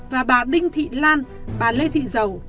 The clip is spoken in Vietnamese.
và bà đinh thị lan bà lê thị dầu